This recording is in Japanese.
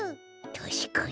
たしかに。